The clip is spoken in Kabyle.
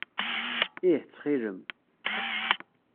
Ih ttxil-m.